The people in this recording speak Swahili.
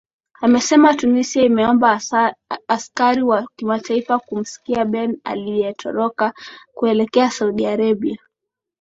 amesema tunisia imeomba askari wa kimataifa kumsikilia ben ali aliyetoroka kuelekea saudi arabia